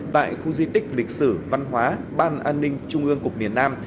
tại khu di tích lịch sử văn hóa ban an ninh trung ương cục miền nam